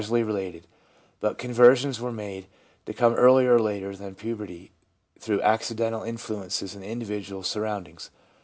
phenomena were causally related, but conversions were made to come earlier or later than puberty through accidental influences in the individual's surroundings.